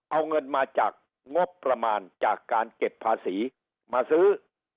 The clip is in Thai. เอาเงินมาจากงบประมาณจากการเก็บภาษีมาซื้อ